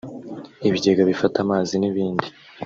ibigega bifata amazi n’ibindi